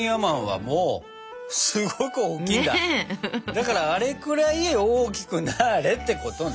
だからあれくらい大きくなあれってことね。